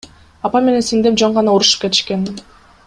Апам менен сиңдим жөн гана урушуп кетишкен.